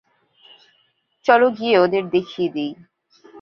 চলো গিয়ে ওদের দেখিয়ে দিই।